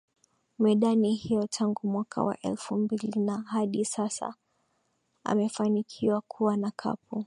medani hiyo tangu mwaka wa elfu mbili na hadi sasa amefanikiwa kuwa na kapu